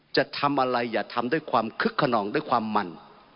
จะทำอะไรอย่าทำด้วยความคึกขนองด้วยความมัน